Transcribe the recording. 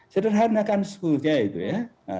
sederhanakan sebetulnya itu ya